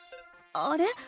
あれ？